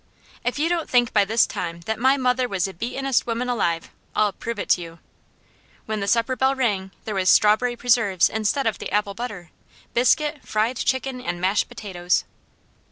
If you don't think by this time that my mother was the beatenest woman alive, I'll prove it to you. When the supper bell rang there was strawberry preserves instead of the apple butter, biscuit, fried chicken, and mashed potatoes.